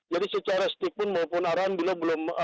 jadi secara setipun maupun alasan kita masih di tempat yang terdekat